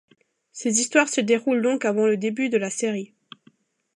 Ces histoires se déroulent donc avant le début de la série.